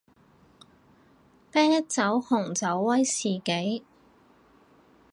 啤酒紅酒威士忌